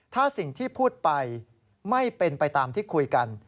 ถ้าสิ่งที่พูดไปไม่เป็นไปตามที่คุยกัน